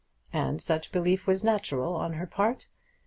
And such belief was natural on her part.